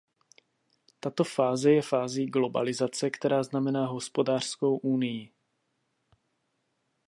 Tato fáze je fází globalizace, která znamená hospodářskou unii.